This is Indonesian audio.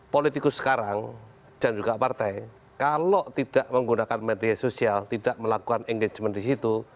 politikus sekarang dan juga partai kalau tidak menggunakan media sosial tidak melakukan engagement di situ